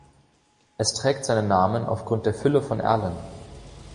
Es trägt seinen Namen aufgrund der Fülle von Erlen.